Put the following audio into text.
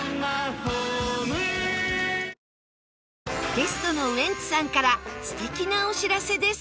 ゲストのウエンツさんから素敵なお知らせです